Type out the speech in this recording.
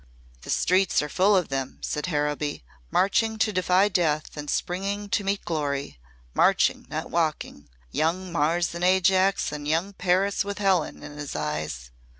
"The streets are full of them," said Harrowby, "marching to defy death and springing to meet glory marching not walking. Young Mars and Ajax and young Paris with Helen in his eyes.